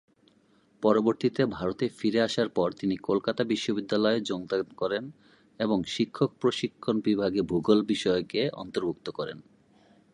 পরবর্তীতে ভারতে ফিরে আসার পর তিনি কলকাতা বিশ্ববিদ্যালয়ের যোগদান করেন এবং শিক্ষক প্রশিক্ষণ বিভাগে ভূগোল বিষয়কে অন্তর্ভুক্ত করেন।